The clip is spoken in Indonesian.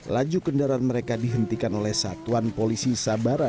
laju kendaraan mereka dihentikan oleh satuan polisi sabara